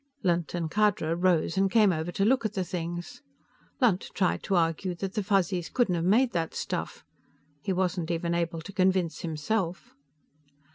Lunt and Khadra rose and came over to look at the things. Lunt tried to argue that the Fuzzies couldn't have made that stuff. He wasn't even able to convince himself.